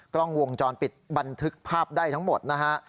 กล้องวงจรปิดบันทึกภาพได้ทั้งหมดนะฮะ